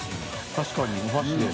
確かにお箸で。